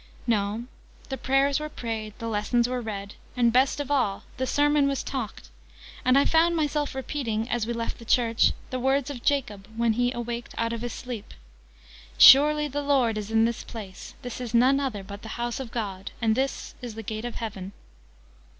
No, the prayers were prayed, the lessons were read, and best of all the sermon was talked; and I found myself repeating, as we left the church, the words of Jacob, when he 'awaked out of his sleep.' "'Surely the Lord is in this place! This is none other but the house of God, and this is the gate of heaven.'"